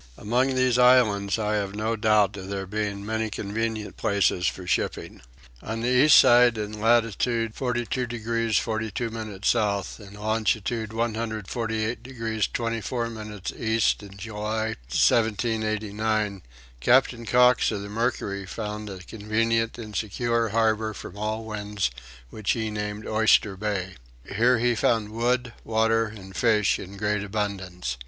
Among these islands I have no doubt of there being many convenient places for shipping. On the east side in latitude 42 degrees 42 minutes south and longitude 148 degrees 24 minutes east in July, 1789, Captain Cox of the Mercury found a convenient and secure harbour from all winds which he named Oyster Bay. Here he found wood, water, and fish in great abundance.